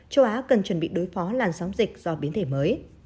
châu á cần chuẩn bị đối phó làn sóng dịch do biến thể mới